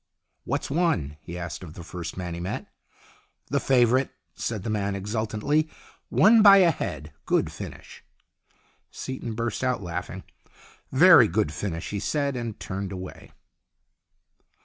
"What's won?" he asked of the first man he met. "The favourite," said the man, exultantly. " Won by a head. Good finish." Seaton burst out laughing. " Very good finish," he said, and turned away.